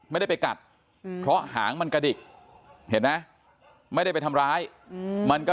ไม่ได้ไปกัดเพราะหางมันกระดิกเห็นไหมไม่ได้ไปทำร้ายมันก็